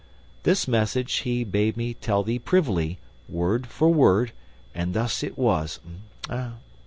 This message he bade me tell thee privily, word for word, and thus it was.